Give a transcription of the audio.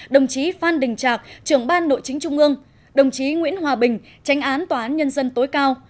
đồng chí phan đình trạc trưởng ban nội chính trung ương đồng chí nguyễn hòa bình tránh án tòa án nhân dân tối cao